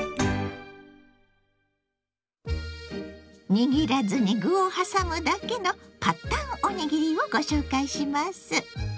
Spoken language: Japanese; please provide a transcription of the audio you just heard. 握らずに具を挟むだけの「パッタンおにぎり」をご紹介します。